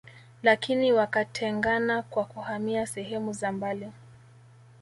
Lakini wakatengana kwa kuhamia sehemu za mbali